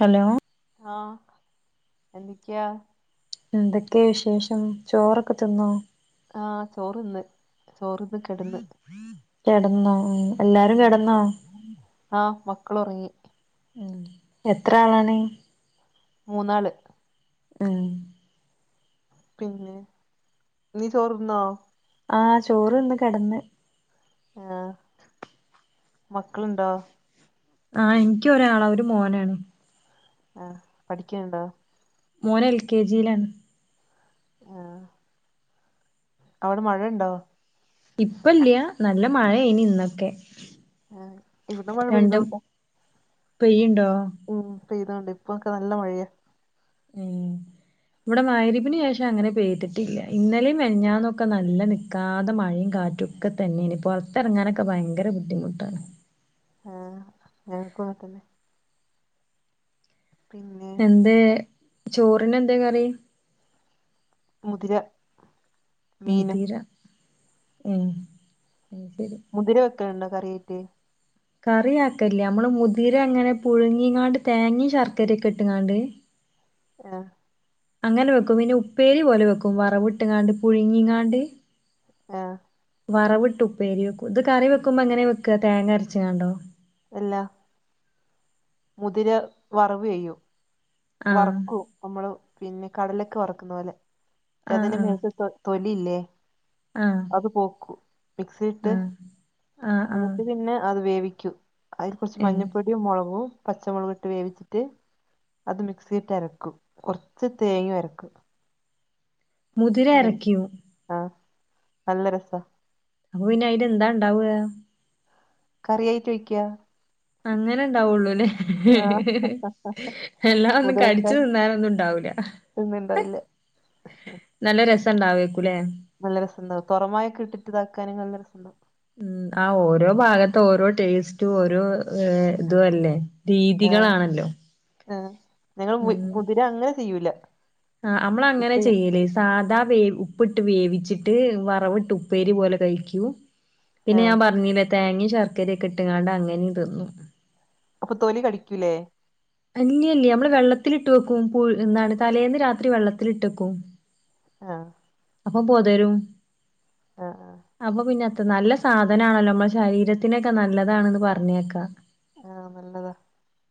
Hello ആഹ് എന്തെക്കിയാ. എന്തൊക്കെയ വിശേഷം ചോറൊക്കെ തിന്നോ ആഹ് ചോറ്ന്ന് ചോറ്ന്ന് കെടന്ന് കെടന്നോ ഉം എല്ലാരും പിന്നെ കെടന്നോ ആഹ് മക്കള് ഒറങ്ങി ഉം എത്ര ആളാണ് മൂന്നാള് ആഹ് പിന്നെ നീ ചോറ്ന്നോ ആഹ് ചോറ്ന്ന് കിടന്ന് ആ മക്കളുണ്ടോ? ആ എനിക്ക് ഒരാളാ ഒര് മോനാണ് ആ പഠിക്ണണ്ടോ? മോന് എൽ കെ ജിയിലാണ് ആഹ് അവടെ മഴണ്ടോ? ഇപ്പ ഇല്ല്യ നല്ല മഴായിയിനി ഇന്നൊക്കെ ആഹ് ഇവിടെ മഴ രണ്ടും പെയ്തോണ്ട പെയ്യുണ്ടോ? ഉം പെയ്തുകൊണ്ട് ഇപ്പൊക്കെ നല്ല മഴയാ ഉം ഇവടെ മഗ്‌രിബിന് ശേഷം അങ്ങനെ പെയ്തിട്ടില്ല ഇന്നലെയും മെനിഞ്ഞാന്നൊക്കെ നല്ല നിൽക്കാതെ മഴയും കാറ്റും ഒക്കെ തന്നെയാണ് പുറത്തിറങ്ങാനൊക്കെ ഭയങ്കര ബുദ്ധിമുട്ടാണ് ആഹ് ഞങ്ങൾക്കുങ്ങതന്നെ പിന്നെ എന്തേ ചോറിന് എന്തേ കറി? മുതിര മീനും മുതിര ഉം അഅ്ശരി മുതിര വെക്കല്ണ്ടോ കറിയായിറ്റ്? കറിയാക്കലില്ല നമ്മൾ മുതിര ങ്ങനെ പുഴുങ്ങീങ്ങാണ്ട് തേങ്ങേം ശർക്കരയൊക്കെ ഇട്ട്ങ്ങാണ്ട് ആഹ് അങ്ങനെ വെക്കും പിന്നെ ഉപ്പേരി പോലെ വെക്കും വറവിട്ട്ങ്ങാണ്ട് പുഴുങ്ങിങ്ങാണ്ട് ആഹ് വറവിട്ട് ഉപ്പേരി വെക്കും ഇത് കറി വെക്കുമ്പോ എങ്ങനെ വെക്കാ തേങ്ങ അരച്ച്ങ്ങാണ്ടോ? ഇല്ല മുതിര വറവ് ചെയ്യും ആഹ് വറക്കും നമ്മള് പിന്നെ കടലൊക്കെ വറക്കുന്ന പോലെ ആഹ് മറ്റേതിന് ആഹ് മേത്ത് തൊലില്ലേ ആഹ് അത് പോക്കു മിക്സിട്ട് ആഹ് ആഹ് ആഹ് എന്നിട്ട് പിന്നെ അത് വേവിക്കും അതിൽ കുറച്ച് ഏഹ് മഞ്ഞൾപ്പൊടിയും മുളകും പച്ചമുളക് ഇട്ട് വേവിച്ചിട്ട് അത് മിക്സിയിട്ട് അരക്കും കുറച്ച് തേങ്ങയും അരക്കും മുതിര ഉം അരക്കും ആഹ് നല്ല രസാ അപ്പൊ പിന്നെ അയിൽ എന്താണ്ടാവാ? കറിയായി വെക്കയാ അങ്ങനെണ്ടാവുള്ളൂ ലേ ഹ് ആഹ് ഹ് അല്ലാ ഒന്നും കടിച്ചുതിന്നാനൊന്നും ഇണ്ടാവൂല തിന്ന്ണ്ടാവില്ല നല്ല രസണ്ടായിരിക്കുയല്ലേ? നല്ല രസണ്ടാവും തുറമായിക്കെ ഇട്ടിട്ട്താക്കാനും നല്ല രസണ്ടാവും ഉം ആ ഓരോ ഭാഗത്ത് ഓരോ ടേസ്റ്റും ഓരോ ഇതും അല്ലേ? ആഹ് രീതികളാണല്ലോ. ആഹ് ഞങ്ങള് മു ഉം മുതിര അങ്ങനെ ചെയ്യൂല. ആഹ് മ്മള അങ്ങനെ ഉപ്പ് ചെയ്യല്. സാധാ വേ ഉപ്പ്ട്ട് വേവിച്ചിട്ട് വറവ്ട്ട് ഉപ്പേരി പോലെ കഴിക്കും. പിന്നെ ആഹ് ഞാൻ പറഞ്ഞില്ലേ തേങ്ങേം ശർക്കരക്കെ ഇട്ടങ്ങാണ്ട് അങ്ങനേം തിന്നും. അപ്പൊ തൊലി കടിക്കൂലേ? അഞ്ഞല്ല്യ നമ്മള് വെള്ളത്തിലിട്ടെക്കും പു എന്താണ് തലേന്ന് രാത്രി വെള്ളത്തിട്ടെക്കും. ആഹ് അപ്പൊ പൊതിരും ആഹ് ആഹ് അപ്പൊ പിന്നെ അത്ത് നല്ല സാധനാണല്ലോ നമ്മളെ ശരീരത്തിനൊക്കെ നല്ലതാണന്ന് പറഞ്ഞേക്കാ. ആഹ് നല്ലതാ.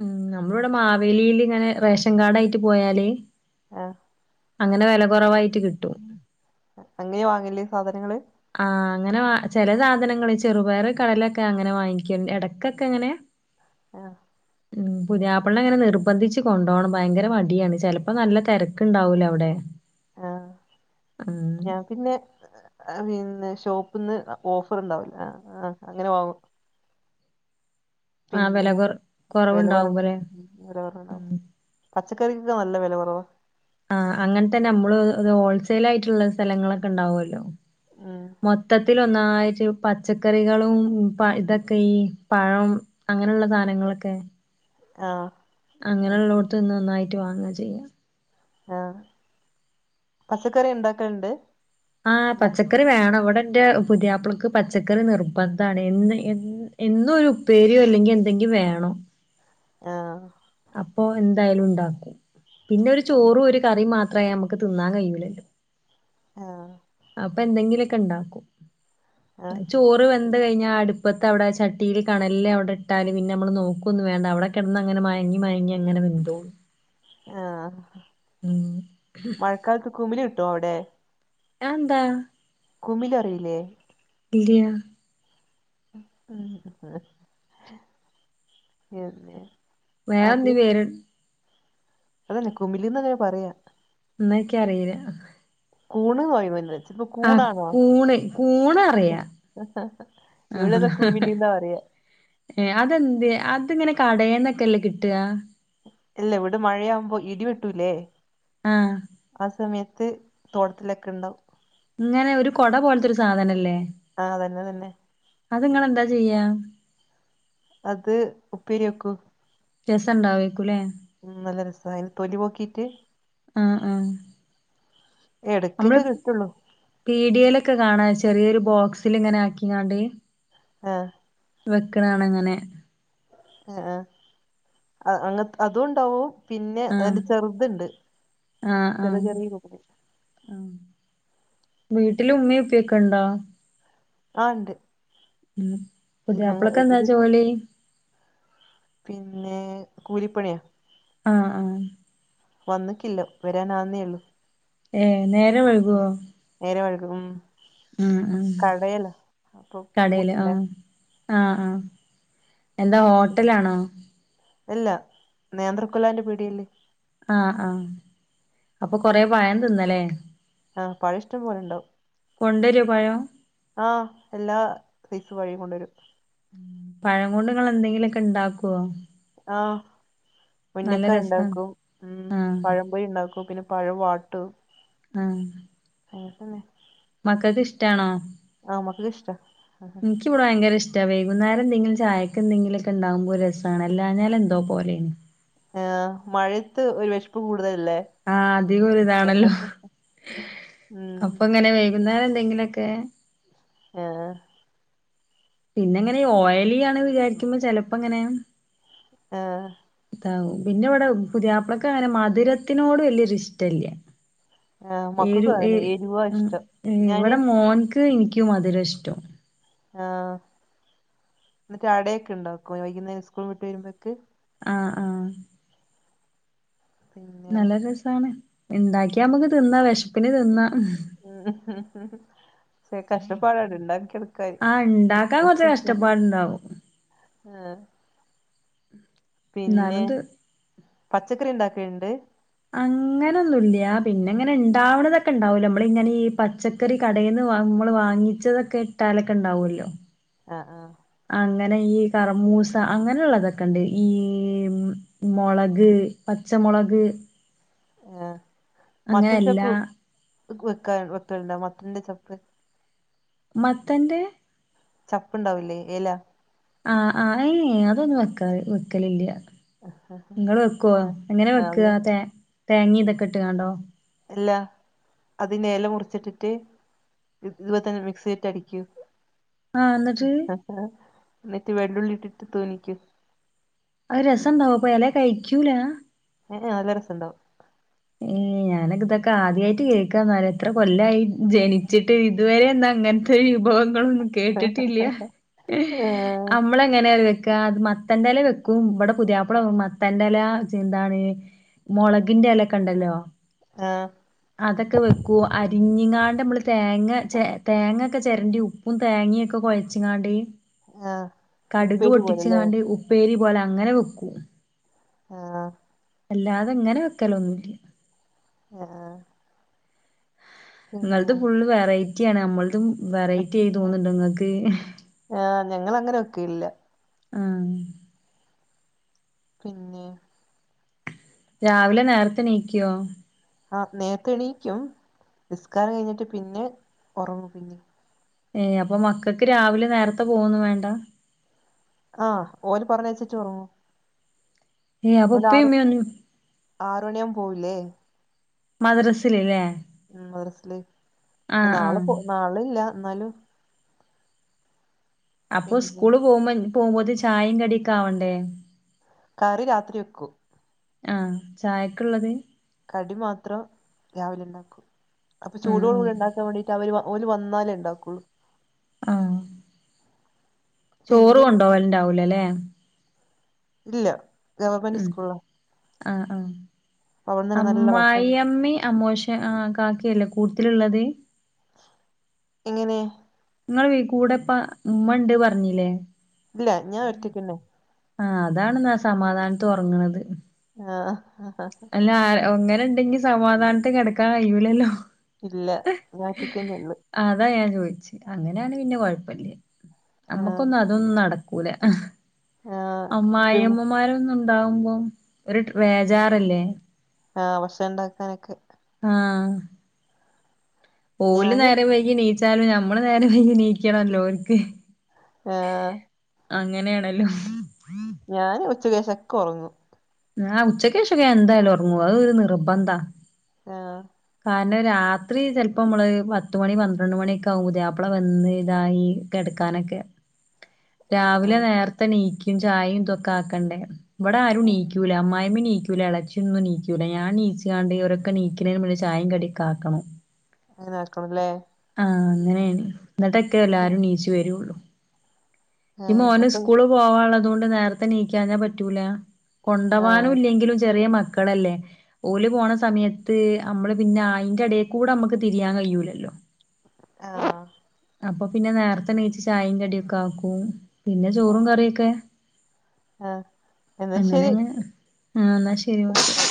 ഉം നമ്മളവടെ മാവേലില് ഇങ്ങനെ റേഷൻ കാർഡായിട്ട് പോയാല് ആഹ് അങ്ങനെ വെല കൊറവായിട്ട് കിട്ടും. അങ്ങനെയാ വാങ്ങല് സാധനങ്ങള്? ആഹ് അങ്ങനെ ചെല സാധനങ്ങൾ ചെറുപയർ കടലൊക്കെ അങ്ങനെ വാങ്ങിക്കണ്ട് എടക്കൊക്കെങ്ങനെ. [inaudible] ആഹ് ഉം പുതിയാപ്പള്നങ്ങനെ നിർബന്ധിച്ച് കൊണ്ടോകണം ഭയങ്കര മടിയാണ് ചെലപ്പോ നല്ല തെര ക്കണ്ടാവൂല അഒടെ? ആഹ് ഞാക്കിന്ന് ആഹ് പിന്നെ ഷോപ്പ്ന്ന് ഓഫർ ണ്ടാവുലെ ആഹ് ആഹ് അങ്ങനെ വാങ്ങും. ആ പിന്നെ വില കൊ കുറവുണ്ടാവുമ്പോലേ ഉം [unintelligible] പച്ചക്കറിക്ക നല്ല വെല കൊറവ. ആഹ് അങ്ങൻതന്നെ നമ്മള് ഹോൾസെയിൽ ആയിട്ട്ള്ള സ്ഥലങ്ങളൊക്കെ ണ്ടാവുല്ലോ. ആഹ് മൊത്തത്തിൽ ഒന്നായിട്ട് പച്ചക്കറികളും പ ഇതൊക്കെ ഈ പഴം അങ്ങനെള്ള സാനങ്ങളൊക്കെ ആഹ് അങ്ങനെള്ളോട്ത്ത് ന്ന് നന്നായിട്ട് വാങ്ങ ചെയ്യാ. ആഹ് പച്ചക്കറി ഇണ്ടാക്കൽണ്ട്? ആഹ് പച്ചക്കറി വേണം ഇവടെ ന്റെ പുതിയാപ്പളക്ക് പച്ചക്കറി നിർബന്ധാണ് എന്ന് എ എന്നും ഒരു ഉപ്പേരിയോ എല്ലെങ്കി എന്തെങ്കി വേണം. ആഹ് അപ്പോ എന്തായാലും ണ്ടാക്കും പിന്നെ ഒരു ചോറും ഒരു കറിം മാത്രായ നമ്മക്ക് തിന്നാൻ കഴിയൂലല്ലോ. ആഹ് അപ്പ എന്തെങ്കിലൊക്കെണ്ടാക്കും. ആഹ് ചോറ് വെന്ത്‌ കഴിഞ്ഞാ അടുപ്പത്തെ അഒടെ ചട്ടീൽ കണല്ല് അഒടെ ഇട്ടാലും പിന്നെ നമ്മൾ നോക്കൊന്ന വേണ്ട അഒടെ കെടന്ന്ങ്ങനെ മയങ്ങി മയങ്ങി അങ്ങനെ വെന്തോളും. ആഹ് മ് മഴക്കാലത്ത് കുമിലി കിട്ടോ അഒടെ? അഹന്താ? കുമില് അറിയില്ലേ? ഇല്ല്യ. [unintelligible] അത് വേറെന്തിം വേര്? അതന്നെ കുമിലിന്ന് ത്‌ന് പറയാ. ന്നക്കി അറിയില്ല. കൂണ് [unintelligible] ആഹ് കൂണാണോ? കൂണ് കൂണ് അറിയാ ഇവിടെതാ കുമിലിന്നാ പറയ. ഏ അതന്തെ അതിങ്ങനെ കടന്നക്കെല്ലേ കിട്ട? ഇല്ല ഇവിടെ മഴയാവുമ്പോ ഇടിവെട്ടൂല്ലേ? ആഹ്‌ ആ സമയത്ത് തോടത് ലൊക്കെണ്ടാവു. ഇങ്ങനെ ഒരു കൊട പോലത്തെരു സാധനല്ലേ? ആ അതന്നെ അതന്നെ അത്ങ്ങെളന്താ ചെയ്യാ? അത് ഉപ്പേരി വെക്കു. രസണ്ടാവേക്കൂലേ? മ് നല്ല രസാ അയിൽ തൊലി പോക്കിട്ട് ആഹ്‌ ആഹ്‌ എടയ്ക്കൊക്കെ കിട്ടുള്ളൂ. പീഡിയേൽ ഒക്കെ കാണാ ചെറിയൊരു ബോക്സിൽ ഇങ്ങനെ ആക്കിങ്ങാണ്ട്. ആഹ്. വെക്കണാണ് അങ്ങനെ. ആ ഏ അങ്ങ അതും ഉണ്ടാവു. പിന്നെ ആഹ് അതിന്റെ ചെറുതുണ്ട് ചെറിയ ചെറിയ കു ആ വീട്ടില് ഉമ്മിയു ഉപ്പിയുക്കണ്ടോ? ആ ഉണ്ട്. ഉ ഞങ്ങ പുതിയാപ്ലക്ക് എന്താ ഇതിപ്പോ ജോലി. പിന്നെ കൂലിപ്പണിയാ. ആ ആ വന്നക്കില്ല വരാൻ ആവുന്നേ ഉള്ളൂ. ഏ നേരം വൈകുവോ. നേരം വൈഴ്കും ആഹ് കടയല അപ്പൊ പൂട്ടണ്ടേ. ആ ആ എന്താ ഓട്ടലാണോ. എല്ല നേന്ത്രക്കൊലാന്റെ പീടിയേല്. ആ ആ അപ്പൊ കൊറെ പഴം തിന്നല്ലേ. ആ പഴം ഇഷ്ടം പോലെണ്ടാവും. കൊണ്ടരോ പഴം ആ എല്ലാ സൈസു വഴിയും കൊണ്ടുവരും. പഴം കൊണ്ട് നിങ്ങൾ എന്തെങ്കിലുക്കെ ഉണ്ടാക്കുവോ. ആ നല്ല മുന്നക്കായ രസാണ് ഉണ്ടാക്കും ഉം ആഹ് പഴംപൊരി ഉണ്ടാക്കു പി പഴ വാട്ടും. ആഹ്‌ അങ്ങനെ തന്നെ. മക്കക്ക് ഇഷ്ടാണോ. ആ മക്കക്ക് ഇഷ്ടാ എനിക്ക് ഭയങ്കര ഇഷ്ടാ വൈകുന്നേം എന്തെങ്കിലും ചായക്കെന്തെങ്കിലും ഒക്കെ ഉണ്ടാകുപോ രസമാണ് അല്ലാഞ്ഞാൽ എന്തോ പോലെന്ന്. ഏ മഴത്ത് ഒരു വിശപ്പ് കൂടുതലല്ലേ? ആ അധികം ഇതാണല്ലോ ഉം അപ്പൊ അങ്ങനെ വൈകുന്നേരം എന്തെങ്കിലൊക്കെ. ഏഹ്‌ പിന്നെ എങ്ങനെ ഓയലി ആണെന്ന് വിചാരിക്കുമ്പോ ചെലപ്പോ എങ്ങനെ. ആഹ്. ആവും പിന്നെ ഇവിടെ പുതിയാപ്പളൊക്ക് അങ്ങനെ മധുരത്തിനോട് വലിയൊരു ഇഷ്ടല്ല. ആ എരു മക്കൾക്കും ഏ അതന്നെ എരിവാ ഇഷ്ടം ഞാന് ഇവിടെ മോൻക്ക് എനിക്കു മധുരം ഇഷ്ടം. ആ എന്നിട്ട് ആടൊക്കെ ഉണ്ടാ വൈകുന്നേരം സ്കൂള് വിട്ട് വരുമ്പോക്ക്. ആഹ്‌ ആഹ്‌ പിന്നെ നല്ല രസാണ് ഇണ്ടാക്കിയ നമക്ക് തിന്നാ വിശപ്പിന് തിന്നാ. ആഹ്‌ രി കഷ്ടപ്പാട് ആണ് ഇണ്ടാക്കി എട് കൈ ആഹ് ഇണ്ടാക്കാൻ കുറച്ച് [unintelligible] കഷ്ടപ്പാടുണ്ടാവും ആ പിന്നെ. എന്നാലും ഇത് പച്ചക്കറി ഉണ്ടാക്ക ഇണ്ട്. അങ്ങനൊന്നുമില്ല. പിന്നെ ഇങ്ങനെ ണ്ടാവണതൊക്കെ ണ്ടാവല്ലോ നമ്മള് ഇങ്ങനെ ഈ പച്ച ക്കറി കടയെന്ന് വാങ്ങുമ്പോള് വാങ്ങിച്ചതൊക്കെ ഇട്ടാലൊക്കെ ണ്ടാവുമല്ലോ. ആഹ് ആഹ് അങ്ങനെ ഈ കറമൂസ അങ്ങനെയുള്ളതൊക്കെണ്ട് ഈ മുളക് പച്ചമുളക്. ഏയ് മത്തൻ അങ്ങനെയല്ല ചപ്പ് വെക്കാ വെക്കലിണ്ടോ മത്തന്റെ ചപ്പ് മത്തന്റ്‌ ചപ്പുണ്ടാവൂലെ ഇല. ആഹ് ആഹ് ഏയ് അതൊന്നും വെക്കാറ് വെക്കലില്ല. നിങ്ങള് വെക്കുവോ ആഹ് എങ്ങനെ വെക്കുക ആഹ് തേ തേങ്ങ ഇതൊക്കെ ഇട്ടുങ്ങാണ്ടോ? ഇല്ലാ അതിന് ഇല മുറിച്ചിട്ടിട്ട്. ഇത് ഇതുപോല തന്നെ മിക്സി ഇറ്റ് അടിക്കും ആ ഹ ഹാ ന്നിട്ട് വെള്ളുള്ളി ഇട്ടിട്ട് തൊലിക്കും അത് രസണ്ടാവോ അപ്പൊ എല കഴിക്കൂല ഏ ഏ നല്ല രസണ്ടാവും ഏയ് ഞാനൊക്ക ഇതൊക്കെ ആദ്യായിട്ട് കേൾക്കാന്നാല് എത്ര കൊല്ലായി ജനിച്ചി ട്ട് ഇതുവരെ ന്നാ ഇങ്ങന് ത്തെ വിഭവങ്ങളൊന്നും കേട്ടിട്ടില്ല്യ ഏഹ് ആഹ് അമ്മളങ്ങനെറിയോ വെക്കാ അത് മത്തൻന്റെറല വെക്കും ഇബടെ പുതിയാപ്പള മത്തൻന്റെല എന്താണ് മൊളകിന്റെലക്കെണ്ടല്ലോ ആഹ് അതൊക്കെ വെക്കൂ അരിഞ്ഞ്ങ്ങാണ്ട് നമ്മള് തേങ്ങ ചെ തേങ്ങൊക്കെ ചെരണ്ടി ഉ പ്പും തേങ്ങിയൊക്കെ കൊഴച്ച്ങ്ങാണ്ട് ആഹ് കടുക് ഉപ്പേരി പോലല്ലേ പൊട്ടിച്ച്ങ്ങാണ്ട് ഉ ഉപ്പേരി പോലെ അങ്ങനെ വെക്കും ആഹ് അല്ലാതെങ്ങനെ വെക്കലൊന്നുല്ല്യ ആഹ് ഇങ്ങൾത്ത് പിന്നെ ഫുൾ വെറൈറ്റി ആണ് നമ്മൾതും വെറൈറ്റി ആയി തോന്നുണ്ടോ ഇങ്ങക്ക് ഈഹ് ആ ഞങ്ങളങ്ങനെ വെക്കെല്ല ആഹ് പിന്നെ രാവിലെ നേരത്തെനീക്കോ? ആഹ് നേത്തെണീക്കും നിസ്കാരം കഴിഞ്ഞിട്ട് പിന്നെ ഒറങ്ങും പിന്നിം ഏയ് അപ്പൊ മക്കക്ക് രാവിലെ നേരത്തെ പോകന്നും വേണ്ട? ആഹ് ഓര് പറഞ്ഞയച്ചിട്ട് ഒറങ്ങും ഏഹ് അപ്പൊ ഇപ്പിമ്മിം ഒന്നും ആറണിയമ്പോ പോവുംല്ലേ മദ്റസില്ലല്ലേ ഉം മദ്റസില് പ്പ നാളെ പോ നാളിം ഇല്ല എന്നാലും അപ്പൊ പിന്നെ സ്കൂള് പോകുമ്പ ഇൻ പോകുമ്പോതിന് ചായിം കടിക്കെ ആവണ്ടേ കറി രാത്രി വെക്കും ആഹ് ചായക്ക്ള്ളത് കടി മാത്രം രാവിലെ ണ്ടാക്കും അപ്പൊ ചൂടോട് ആഹ് കൂടി ഉണ്ടാക്കാൻ വേണ്ടി അവര് ഓല് വന്നാലേ ണ്ടാക്കൊള്ളൂ ആഹ് ചോറ് പിന്നെ കൊണ്ടോവലുണ്ടാവൂലല്ലേ? ദ്ല്ലാ ഉം ആഹ് ആഹ് അവിടുന്ന് തന്നെ നല്ല ഭക്ഷണം കിട്ടും അമ്മായിയമ്മിം അമ്മോശ ആ കാക്കയല്ലേ കൂടുത്തിൽള്ളത്? എങ്ങനെ? നിങ്ങള് വീ കൂടെ ഇപ്പ ഉമ്മണ്ട് പറഞ്ഞീല്ലേ ഇല്ല ഞാൻ ഒറ്റക്കന്നെ ആ അതാണ് നാ സമാധാനത്ത് ഒർങ്ങ്ണത് ആഹ് അല്ല ആ അങ്ങനെ ണ്ടെങ്കി സമാധാനത്തി കെടക്കാൻ കഴിയൂലല്ലോ ഇല്ല ഞാനൊറ്റക്കന്നെ ഒള്ള് അതാ ഞാൻ ചോയിച്ച് അങ്ങനെണേ പിന്നെ കൊഴപ്പല്ല്യ ആഹ് നമ്മക്കൊന്നും അ തൊന്നും നടക്കൂല ആഹ് ഉപ്പയും അമ്മായിമ്മമാരൊന്നും ന്താവുമ്പോം ഒരു വേജാറല്ലേ ആ ഭഷ ണ്ടാക്കാനൊക്കെ ആഹ് ഒല് ഞാനും നേരം വൈകി നീച്ചാലും നഞമ്മള് നേരം വൈകി നീക്ക നീക്കണല്ലോനിക്ക് ആഹ് അങ്ങനെയാണല്ലോ ഞാൻ ഉച്ച ക്കേഷക്കെ ഉറങ്ങു ആ ഉച്ചക്കശൊക്കെ എന്തായാലും ഉറങ്ങു അതൊരു നിർബന്ധാ ആഹ കാരണം രാത്രി ചിലപ്പോ നമ്മള് പത്ത മണി പന്ത്രണ്ട് മണിയൊക്കെ ആകു പുതിയാപ്പിള വന്ന് ഇതായി കെടുക്കാനൊക്കെ ആഹ് രാവിലെ ആഹ് നേരത്തെ നീക്കും ചായയും ഇതൊക്കെ ആക്കണ്ടേ ഇവിടെ ആരും ആഹ് നീക്കൂല അമ്മായിമ്മ നീക്കൂില്ല ഇളച്ചൊന്നും നീക്കൂില്ല ഞാൻ നീച്ചുകാണ്ട് ഇവരൊക്കെ നീക്കുന്ന മുന്നെ ചായ കടി ഓക്കെ ആക്കണം അങ്ങനെ ആക്കണല്ലെ ആഹ അങ്ങനെയാണ് എന്നിട്ടൊക്കെ എല്ലരും നീച്ചു വരുള്ളു ആഹ് ഇക്ക്മോന് അപ്പൊ സ്കൂള് പോവാുള്ളതുകൊണ്ട് നേരത്തെ നീക്കാഞ്ഞാ പറ്റൂല ആഹ് കൊണ്ടവാനും ഇല്ലെങ്കിലും ചെറിയ മക്കളല്ലേ ഓല് പോണ സമയത്ത് നമ്മള് പിന്നെ അയിറെ ഇടൽക്കൂടെ നമ്മുക്ക് തിരിയാൻ കഴിയൂലല്ലോ ആഹ അപ്പൊ പിന്നെ നേരത്തെ നിച്ച് ചായയും കടിയൊക്കെ ആക്കും പിന്നെ ചോറും കറിയൊക്കെ അങ്ങനെങ്ങനെ ആ എന്നാ ശരി ആഹ